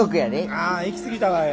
ああ行き過ぎたわい。